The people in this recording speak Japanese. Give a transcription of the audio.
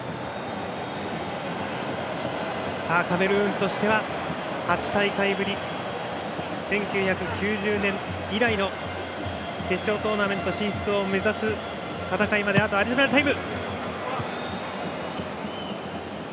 カメルーンとしては、８大会ぶり１９９０年以来の決勝トーナメント進出を目指す戦いまであとはアディショナルタイム。